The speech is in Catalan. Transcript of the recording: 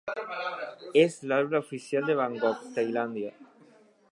És l'arbre oficial de Bangkok, Tailàndia.